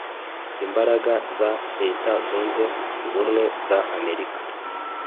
imbaraga za Leta zunze ubumwe za America